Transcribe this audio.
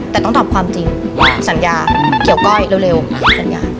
แต่ต้องตอบความจริงสัญญาเกี่ยวก้อยเร็วสัญญา